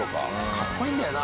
かっこいいんだよな。